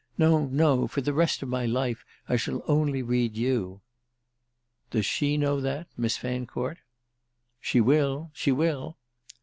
No, no; for the rest of my life I shall only read you." "Does she know that—Miss Fancourt?" "She will—she will."